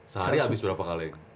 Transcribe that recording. sehari habis berapa kaleng